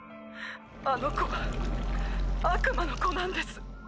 あの子は悪魔の子なんです。